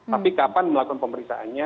tapi kapan melakukan pemeriksaannya